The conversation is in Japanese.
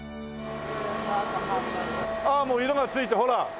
ああっもう色がついてほら。